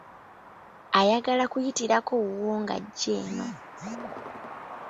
Ayagala kuyitirako wuwo ng'ajja eno.